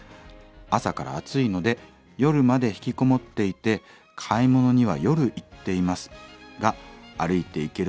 朝から暑いので夜までひきこもっていて買い物には夜行っていますが歩いて行ける